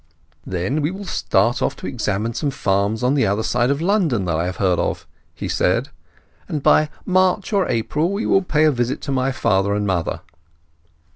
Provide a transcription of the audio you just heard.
"Then we will start off to examine some farms on the other side of London that I have heard of," he said, "and by March or April we will pay a visit to my father and mother."